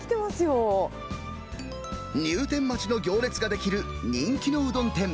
入店待ちの行列が出来る人気のうどん店。